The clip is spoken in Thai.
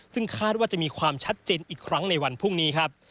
ซึ่งคาดว่าจะมีความชัดเจนอีกครั้งในวันพรุ่งนี้ครับ